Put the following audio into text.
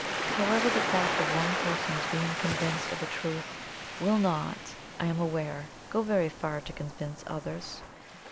However, the fact of one person's being convinced of a truth will not, I am aware, go very far to convince others.